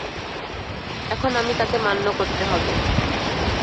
এখন আমি তাকে মান্য করতে হবে।